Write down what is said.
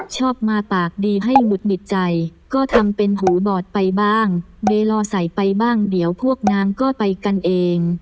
ชอบมาปากดีให้หุดหงิดใจก็ทำเป็นหูบอดไปบ้างเบลอใส่ไปบ้างเดี๋ยวพวกนางก็ไปกันเอง